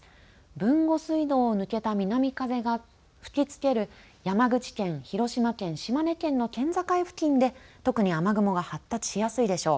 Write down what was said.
豊後水道を抜けた南風が吹きつける山口県、広島県島根県の県境付近で特に雨雲が発達しやすいでしょう。